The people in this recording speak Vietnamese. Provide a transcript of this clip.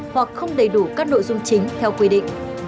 hoặc không đầy đủ các nội dung chính theo quy định